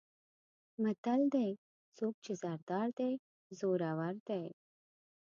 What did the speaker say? متل دی: څوک چې زر دار دی زورور دی.